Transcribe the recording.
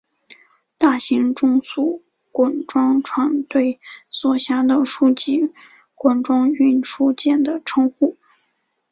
大型中速滚装船对所辖的数级滚装运输舰的称呼。